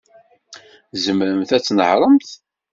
Tzemremt ad tnehṛemt?